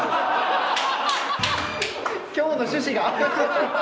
今日の趣旨が。